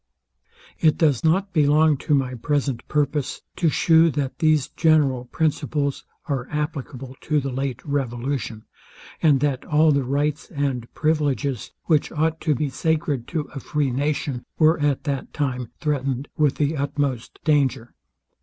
It does not belong to my present purpose to shew, that these general principles are applicable to the late revolution; and that all the rights and privileges, which ought to be sacred to a free nation, were at that time threatened with the utmost danger.